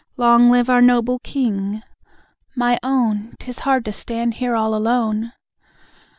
LONG LIVE OUR NOBLE KING. (My own, 'Tis hard to stand here all alone.)